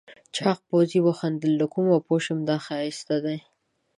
چاغ پوځي وخندل له کومه پوه شم دا ښایسته ده؟